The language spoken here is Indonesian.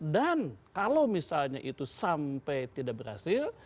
dan kalau misalnya itu sampai tidak berhasil